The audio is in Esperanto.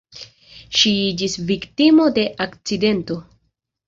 Ŝi iĝis viktimo de akcidento.